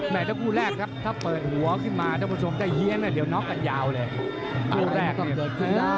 แม่ถ้าคู่แรกถ้าเปิดหัวขึ้นมาถ้าผู้ชมได้เฮียงน๊อกกันยาวเลย